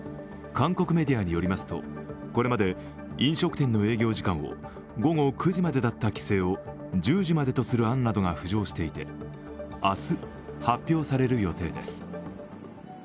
韓国メディアによりますとこれまで飲食店の営業時間を午後９時までだった規制を１０時までとする案が浮上していて明日、発表される予定です。